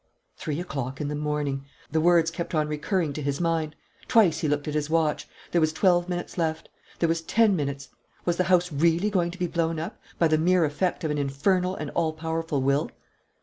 Three o'clock in the morning! ... The words kept on recurring to his mind. Twice he looked at his watch. There was twelve minutes left. There was ten minutes. Was the house really going to be blown up, by the mere effect of an infernal and all powerful will?